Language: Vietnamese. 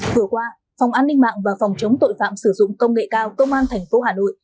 vừa qua phòng an ninh mạng và phòng chống tội phạm sử dụng công nghệ cao công an tp hà nội